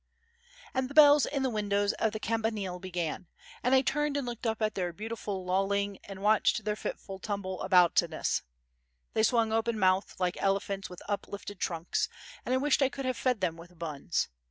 And the bells in the windows of the campanile began, and I turned and looked up at their beautiful lolling and watched their fitful tumble aboutiness. They swung open mouthed like elephants with uplifted trunks, and I wished I could have fed them with buns.